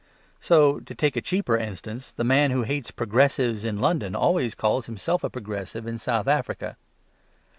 So, to take a cheaper instance, the man who hates "progressives" in London always calls himself a "progressive" in South Africa.